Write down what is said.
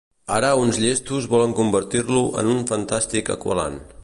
Ara uns llestos volen convertir-lo en un fantàstic Aqualand.